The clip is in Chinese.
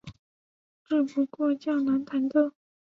只不过较难弹奏。